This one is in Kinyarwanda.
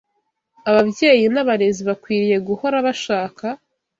Ababyeyi n’abarezi bakwiriye guhora bashaka